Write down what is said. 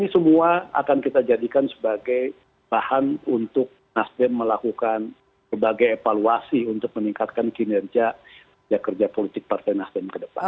ini semua akan kita jadikan sebagai bahan untuk nasdem melakukan berbagai evaluasi untuk meningkatkan kinerja kerja politik partai nasdem ke depan